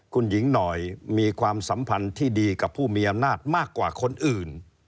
คุณหญิงหน่อยมีความสัมพันธ์ที่ดีกับผู้มีอำนาจมากกว่าคนอื่น